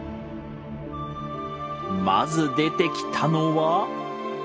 まず出てきたのは。